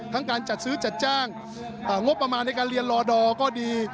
การจัดซื้อจัดจ้างงบประมาณในการเรียนรอดอร์ก็ดี